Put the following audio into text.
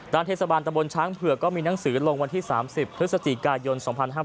เทศบาลตะบนช้างเผือกก็มีหนังสือลงวันที่๓๐พฤศจิกายน๒๕๕๙